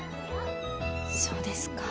そうですか。